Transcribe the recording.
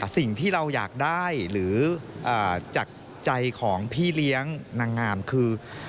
สิ่งที่เราอยากได้หรือจากใจของพี่เลี้ยงนางงามคือ